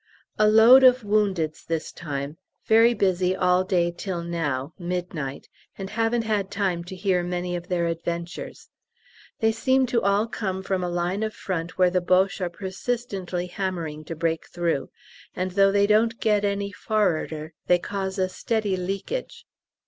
A load of woundeds this time; very busy all day till now (midnight), and haven't had time to hear many of their adventures. They seem to all come from a line of front where the Boches are persistently hammering to break through, and though they don't get any forrarder they cause a steady leakage.